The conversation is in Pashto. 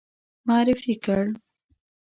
معرفي کړ.